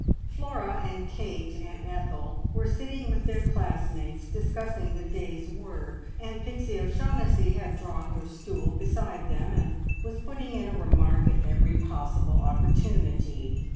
Flora and Kate and Ethel were sitting with their classmates discussing the day's work, and Pixie O'Shaughnessy had drawn her stool beside them, and was putting in a remark at every possible opportunity.